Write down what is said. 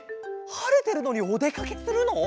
はれてるのにおでかけするの？